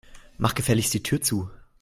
Mach gefälligst die Tür zu.